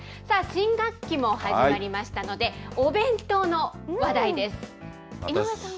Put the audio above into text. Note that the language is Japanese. さあ、新学期も始まりましたので、お弁当の話題です。